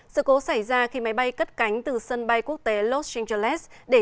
sự cố xảy ra khi máy bay cất cánh từ sân bay quốc tế los angeles để trở về manila